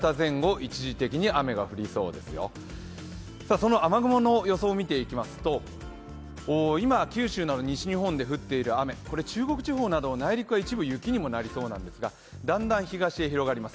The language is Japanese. その雨雲の予想を見ていきますと今、九州など西日本で降っている雨中国地方など内陸は一部雪にもなりそうなんですが、だんだん東へ広がります。